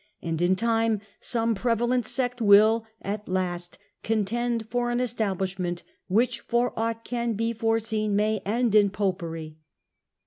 . and in time some prevalent sect will, at last, contend for an establishment, which, for aught can be foreseen, may end in Popery.